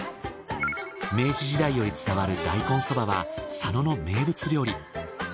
明治時代より伝わる大根そばは佐野の名物料理。